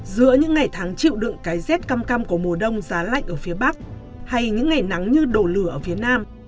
giữa những ngày tháng chịu đựng cái rét căm cam căm của mùa đông giá lạnh ở phía bắc hay những ngày nắng như đổ lửa ở phía nam